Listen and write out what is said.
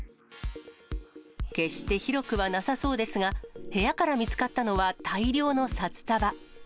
決して広くはなさそうですが、部屋から見つかったのは大量の札束。